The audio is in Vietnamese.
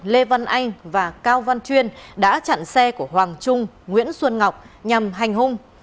lê văn anh và cao văn chuyên đã chặn xe của hoàng trung nguyễn xuân ngọc nhằm hành hung